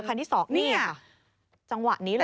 เธอคันที่สองนี่จังหวะนี้เลย